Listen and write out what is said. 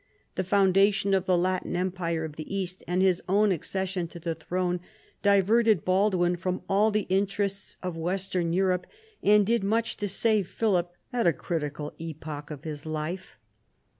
The foundation of the Latin Empire of the East, and his own accession to the throne, diverted Baldwin from all the interests of Western Europe, and did much to save Philip at a critical epoch of his life.